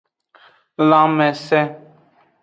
Lanmese.